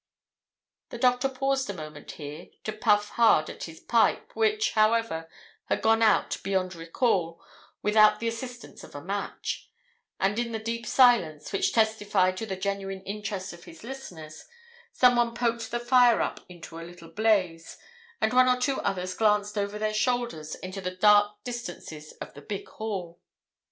The doctor paused a moment here to puff hard at his pipe, which, however, had gone out beyond recall without the assistance of a match; and in the deep silence, which testified to the genuine interest of his listeners, someone poked the fire up into a little blaze, and one or two others glanced over their shoulders into the dark distances of the big hall.